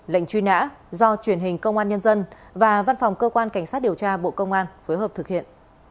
lệnh truy nã do truyền hình công an nhân dân và văn phòng cơ quan cảnh sát điều tra bộ công an phối hợp thực hiện